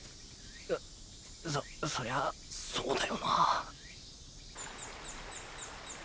うっそそりゃそうだよな。